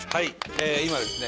今ですね